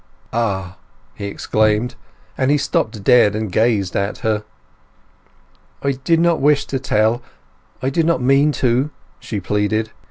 "Ah!" he exclaimed; and he stopped dead and gazed at her. "I did not wish to tell—I did not mean to!" she pleaded.